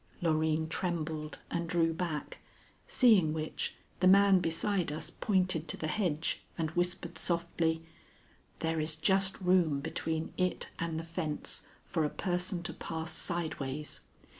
Loreen trembled and drew back, seeing which, the man beside us pointed to the hedge and whispered softly: "There is just room between it and the fence for a person to pass sideways.